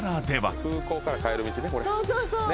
空港から帰る道ね